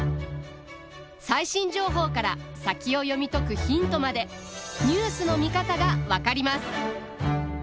最新情報から先を読み解くヒントまでニュースの見方が分かります！